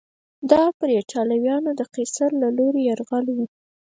دا پر اېټالیا د قیصر له لوري یرغل و